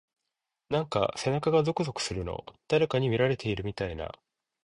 なんか背中がゾクゾクするの。誰かに見られてるみたいな…。